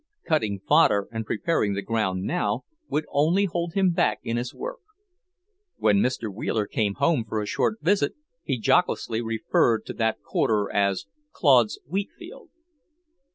Cutting fodder and preparing the ground now, would only hold him back in his work. When Mr. Wheeler came home for a short visit, he jocosely referred to that quarter as "Claude's wheat field."